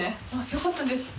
よかったです。